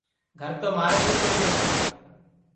گھر تو مھارے بی کوئی نائی تیا